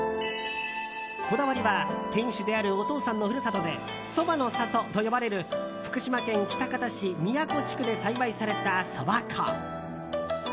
こだわりは、店主であるお父さんの故郷でそばの里と呼ばれる福島県喜多方市宮古地区で栽培された、そば粉。